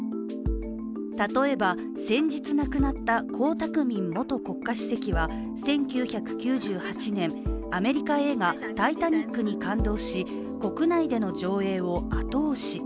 例えば先日亡くなった江沢民元国家主席は、１９９８年アメリカ映画「タイタニック」に感動し、国内での上映を後押し。